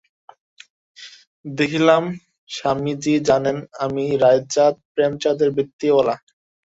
দেখিলাম, স্বামীজি জানেন আমি রায়চাঁদ-প্রেমচাঁদের বৃত্তিওয়ালা।